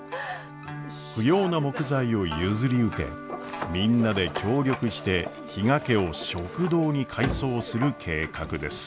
不要な木材を譲り受けみんなで協力して比嘉家を食堂に改装する計画です。